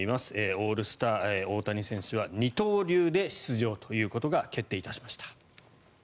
オールスター、大谷選手は二刀流で出場ということが決定しました。